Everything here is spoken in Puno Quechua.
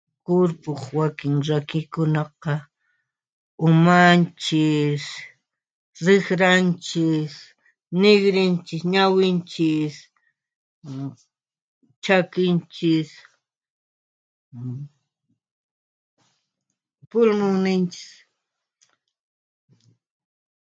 Kurpuq wakin rakikunaqa: Umanchis, rikranchis, ninrinchis, ñawinchis, chakinchis, pulmunninchis.